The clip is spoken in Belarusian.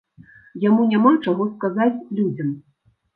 Яму няма чаго сказаць людзям.